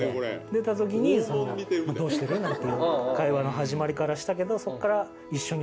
出た時に。なんていう会話の始まりからしたけどそっから。